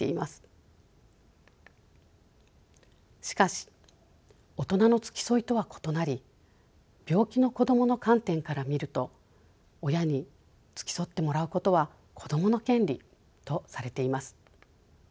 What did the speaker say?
しかし大人の付き添いとは異なり病気の子どもの観点から見ると親に付き添ってもらうことは子どもの権利とされています。